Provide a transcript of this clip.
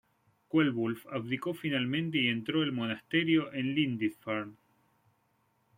Ceolwulf abdicó finalmente y entró el monasterio en Lindisfarne.